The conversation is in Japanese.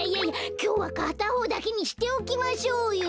きょうはかたほうだけにしておきましょうよ。